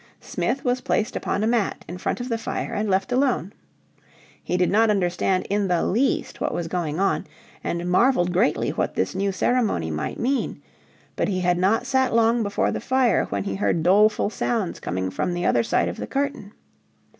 Smith was placed upon a mat in front of the fire and left alone. He did not understand in the least what was going on, and marvelled greatly what this new ceremony might mean. But he had not sat long before the fire when he heard doleful sounds coming from the other side of the curtain.